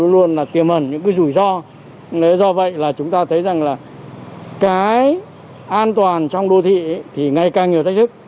cái gì nào đó thì nó là luôn tiềm hẳn những cái rủi ro nếu do vậy là chúng ta thấy rằng là cái an toàn trong đô thị thì ngày càng nhiều thách thức